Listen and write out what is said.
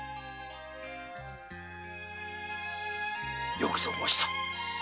よくぞ申した。